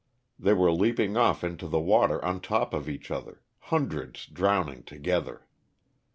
They were leaping off into the water on top of each other — hundreds drowning together.